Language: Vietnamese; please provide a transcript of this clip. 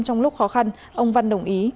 trong lúc khó khăn ông văn đồng ý